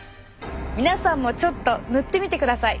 皆さんもちょっと塗ってみてください。